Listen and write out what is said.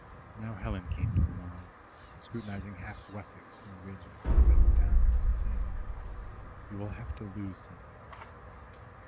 Now Helen came to her mind, scrutinizing half Wessex from the ridge of the Purbeck Downs, and saying: "You will have to lose something."